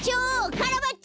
カラバッチョ！